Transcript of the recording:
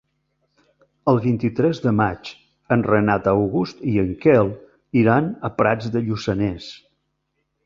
El vint-i-tres de maig en Renat August i en Quel iran a Prats de Lluçanès.